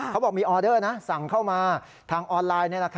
เขาบอกมีออเดอร์นะสั่งเข้ามาทางออนไลน์